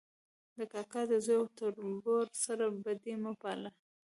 د کاکا د زوی او تربور سره بدي مه پاله